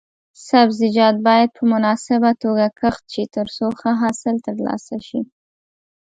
سبزیجات باید په مناسبه توګه کښت شي ترڅو ښه حاصل ترلاسه شي.